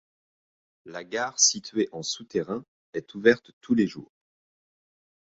La gare située en souterrain, est ouverte tous les jours.